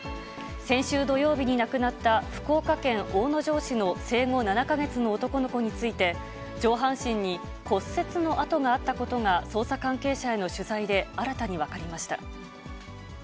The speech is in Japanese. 先週土曜日に亡くなった、福岡県大野城市の生後７か月の男の子について、上半身に骨折の痕があったことが、捜査関係者への取材で新たに分かりました。